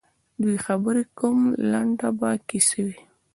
دوی خبري کوم لنډه به کیسه وي